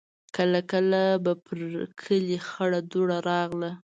کله کله به پر کلي خړه دوړه راغله.